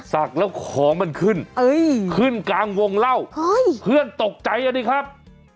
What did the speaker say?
สักแล้วของมันขึ้นขึ้นกลางวงเล่าเครื่องตกใจนะนี่ครับ